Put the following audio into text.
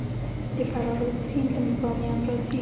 د فراه رود سیند له بامیان راځي